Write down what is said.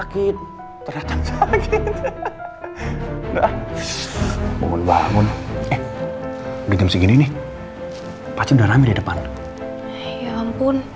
kita udah kekunci dari semalam